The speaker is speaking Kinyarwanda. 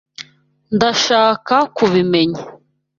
Ndashaka kubimenya.